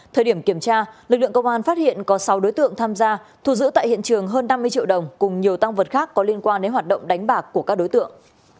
thời điểm kiểm tra lực lượng công an phát hiện có sáu đối tượng tham gia thu giữ tại hiện trường hơn năm mươi triệu đồng cùng nhiều tăng vật khác có liên quan đến hoạt động đánh bạc của các đối tượng